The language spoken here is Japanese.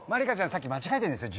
さっき間違えてるんですよ